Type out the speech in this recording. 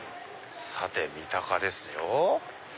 さて三鷹ですよ。